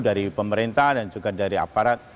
dari pemerintah dan juga dari aparat